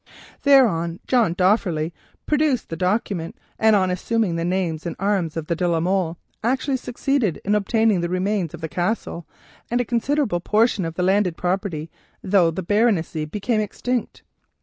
"Thereon Geoffrey Dofferleigh produced the document, and on assuming the name and arms of de la Molle actually succeeded in obtaining the remains of the Castle and a considerable portion of the landed property, though the baronetcy became extinct.